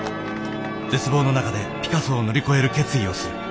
絶望の中でピカソを乗り越える決意をする。